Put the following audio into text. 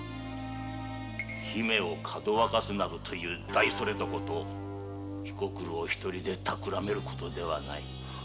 姫をかどわかすなどという大それたことを彦九郎一人でたくらめることではない。